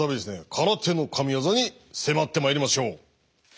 空手の神技に迫ってまいりましょう。